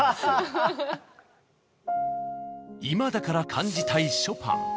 今だから感じたいショパン。